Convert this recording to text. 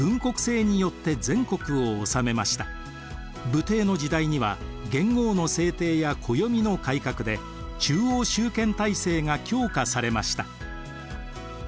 武帝の時代には元号の制定や暦の改革で中央集権体制が強化されました。